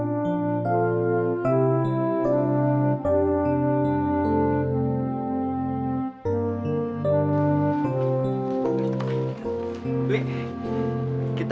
aku mau pergi